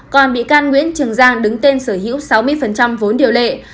còn bị can nguyễn trường giang đứng tên sở hữu sáu mươi vốn điều lệ